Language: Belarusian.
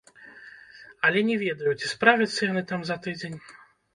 Але не ведаю, ці справяцца яны там за тыдзень.